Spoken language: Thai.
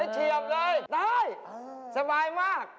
เฉียบเลยได้สบายมาก